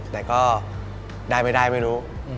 แต่ก็ได้ไม่ได้ไม่รู้